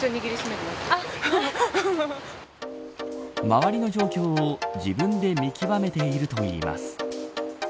周りの状況を自分で見極めているといいます。